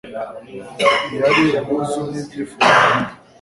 irari, ubwuzu, n'ibyifuzo bito